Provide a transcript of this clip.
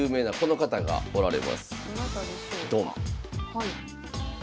はい。